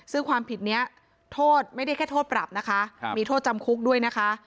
ซึ่งความผิดนี้โทษไม่ได้แค่โทษปรับนะคะมีโทษจำคุกด้วยนะคะ